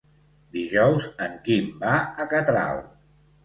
Dijous en Quim va a Catral.